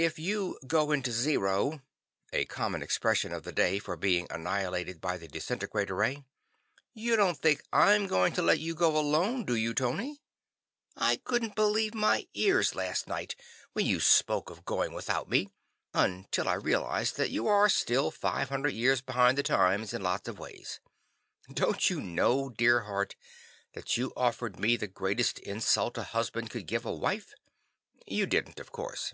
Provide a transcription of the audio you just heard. "If you 'go into zero' (a common expression of the day for being annihilated by the disintegrator ray), you don't think I'm going to let you go alone, do you, Tony? I couldn't believe my ears last night when you spoke of going without me, until I realized that you are still five hundred years behind the times in lots of ways. Don't you know, dear heart, that you offered me the greatest insult a husband could give a wife? You didn't, of course."